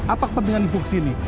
apa kepentingan ibu kesini